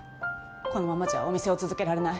このままじゃお店を続けられない。